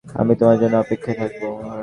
আমি তোমার জন্য অপেক্ষায় থাকবো।